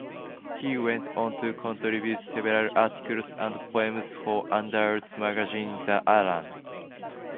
He went on to contribute several articles and poems for Underwood's magazine, "The Island".